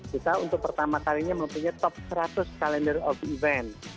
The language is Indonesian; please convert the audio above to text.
kita untuk pertama kalinya mempunyai top seratus kalender of event